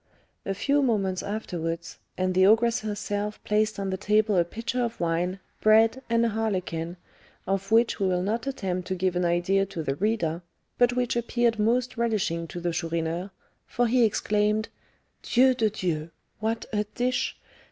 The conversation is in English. A few moments afterwards, and the ogress herself placed on the table a pitcher of wine, bread, and a harlequin, of which we will not attempt to give an idea to the reader, but which appeared most relishing to the Chourineur; for he exclaimed, "Dieu de Dieu! what a dish!